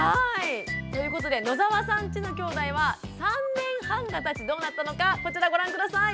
ということで野澤さんちのきょうだいは３年半がたちどうなったのかこちらご覧下さい。